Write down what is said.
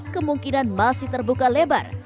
kemungkinan masih terbuka lebar